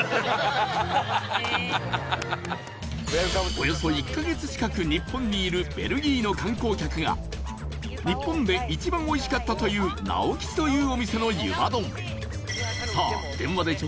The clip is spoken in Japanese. およそ１カ月近く日本にいるベルギーの観光客が日本で一番おいしかったという直吉というお店の湯葉丼